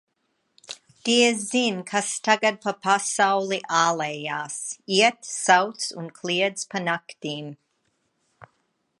Diezin, kas tagad pa pasauli ālējas: iet, sauc un kliedz pa naktīm.